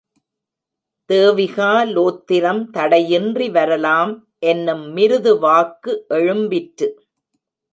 தேவிகா லோத்திரம் தடையின்றி வரலாம் என்னும் மிருது வாக்கு எழும்பிற்று.